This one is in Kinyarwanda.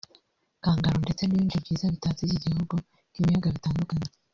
kangaroo ndetse n’ibindi byiza bitatse iki gihugu nk’ibiyaga bitandukanye